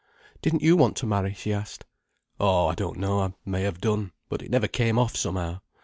"Didn't you want to marry?" she asked. "Oh, I don't know. I may have done. But it never came off, somehow.